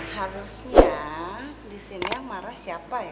harusnya di sini yang marah siapa ya